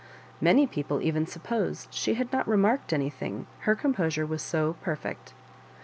Many people even supposed she had not remarked any llmg, her composure was so perfect.